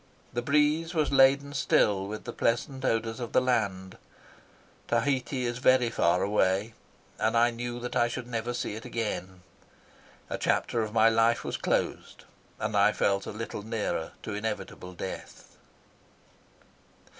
The breeze was laden still with the pleasant odours of the land. Tahiti is very far away, and I knew that I should never see it again. A chapter of my life was closed, and I felt a little nearer to inevitable death.